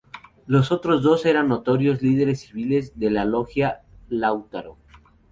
Los otros dos eran notorios líderes civiles de la Logia Lautaro.